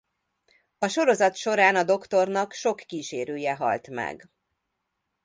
A sorozat során a Doktornak sok kísérője halt meg.